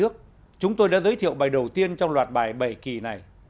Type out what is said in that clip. chúng tôi đã giới thiệu bài đầu tiên trong loạt bài bảy kỳ này